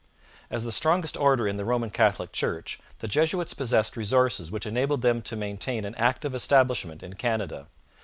As the strongest order in the Roman Catholic Church, the Jesuits possessed resources which enabled them to maintain an active establishment in Canada.